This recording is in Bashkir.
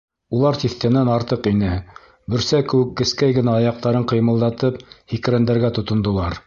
Улар тиҫтәнән артыҡ ине, бөрсә кеүек кескәй генә аяҡтарын ҡыймылдатып һикрәндәргә тотондолар.